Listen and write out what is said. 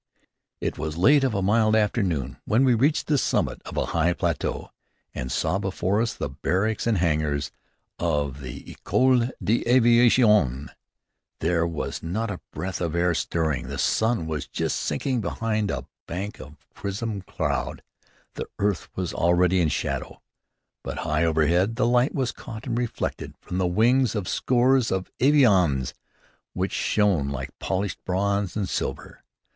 It was late of a mild afternoon when we reached the summit of a high plateau and saw before us the barracks and hangars of the École d'Aviation. There was not a breath of air stirring. The sun was just sinking behind a bank of crimson cloud. The earth was already in shadow, but high overhead the light was caught and reflected from the wings of scores of avions which shone like polished bronze and silver.